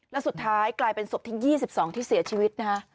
แล้วสุดท้ายกลายเป็นศพที่๒๒ที่เสียชีวิตนะฮะ